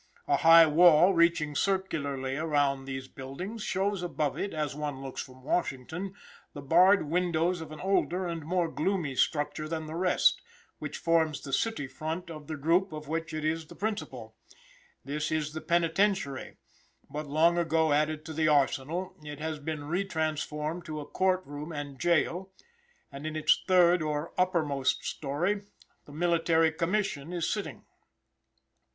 A high wall, reaching circularly around these buildings, shows above it, as one looks from Washington, the barred windows of an older and more gloomy structure than the rest, which forms the city front of the group of which it is the principal. This was a penitentiary, but, long ago added to the arsenal, it has been re transformed to a court room and jail, and in its third, or uppermost story, the Military Commission is sitting.